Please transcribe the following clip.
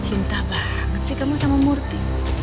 cinta banget sih kamu sama murti